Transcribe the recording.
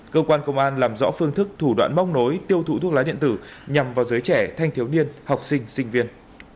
cơ quan công an làm rõ phương thức thủ đoạn móc nối tiêu thụ thuốc lá điện tử nhằm vào giới trẻ thanh thiếu niên học sinh sinh viên